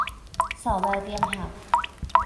ส่อแววเตียงหัก